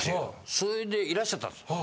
それでいらっしゃったんです。